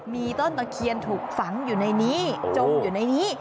มีต้นตะเคียนถูกฝังอยู่ในนี้จมอยู่ในนี้